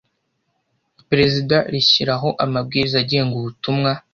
Perezida rishyiraho amabwiriza agenga Ubutumwa